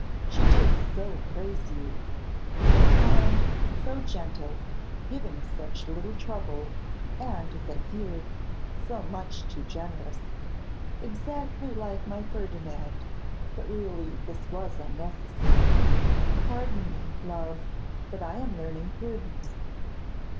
She did so praise you! So kind, so gentle, giving such little trouble, and, as I fear, so much too generous! Exactly like my Ferdinand; but, really, this was unnecessary. Pardon me, love, but I am learning prudence.